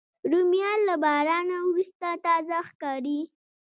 رومیان له باران وروسته تازه ښکاري